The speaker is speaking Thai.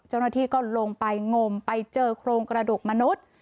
เจ้าหน้าที่ก็ลงไปงมไปเจอโครงกระดูกมนุษย์